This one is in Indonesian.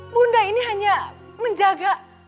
bunda ini hanya menjaga